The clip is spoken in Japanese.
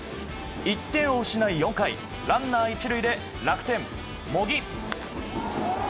１点を失い４回、ランナー１塁で楽天、茂木。